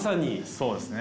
そうですね。